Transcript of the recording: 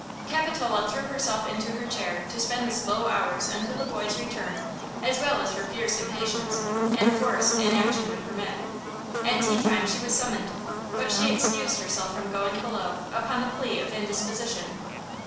Capitola threw herself into her chair to spend the slow hours until the boy's return as well as her fierce impatience and forced inaction would permit. At tea time she was summoned; but excused herself from going below upon the plea of indisposition.